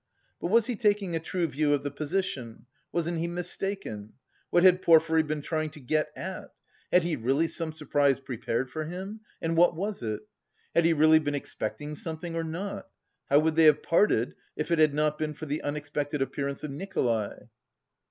But was he taking a true view of the position? Wasn't he mistaken? What had Porfiry been trying to get at? Had he really some surprise prepared for him? And what was it? Had he really been expecting something or not? How would they have parted if it had not been for the unexpected appearance of Nikolay?